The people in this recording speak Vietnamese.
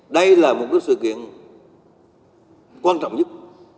đây là một sự kiện quan trọng nhất